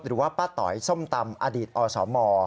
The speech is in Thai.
หรือว่าป้าต๋อยส้มตำอดีตอสม